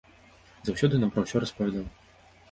Заўсёды нам пра усё распавядаў.